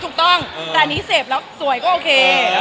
ถูกต้องแต่อันนี้เสพแล้วสวยก็โอเค